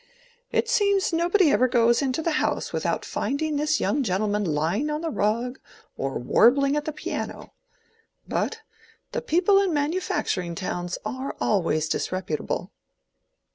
It seems nobody ever goes into the house without finding this young gentleman lying on the rug or warbling at the piano. But the people in manufacturing towns are always disreputable."